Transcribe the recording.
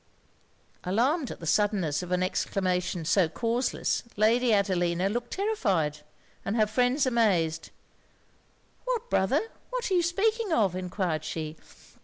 Alarmed at the suddenness of an exclamation so causeless, Lady Adelina looked terrified and her friends amazed. 'What, brother? what are you speaking of?' enquired she.